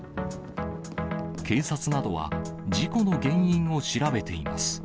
警察などは、事故の原因を調べています。